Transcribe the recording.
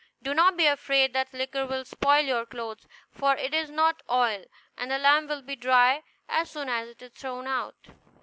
Do not be afraid that the liquor will spoil your clothes, for it is not oil, and the lamp will be dry as soon as it is thrown out."